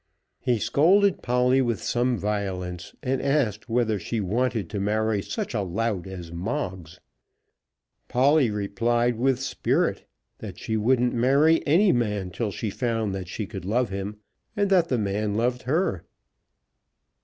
He scolded Polly with some violence, and asked whether she wanted to marry such a lout as Moggs. Polly replied with spirit that she wouldn't marry any man till she found that she could love him, and that the man loved her.